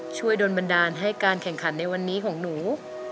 ช่วยโดนบันดาลให้การแข่งขันในวันนี้ของหนู